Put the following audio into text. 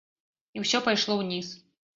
І ўсё пайшло ўніз.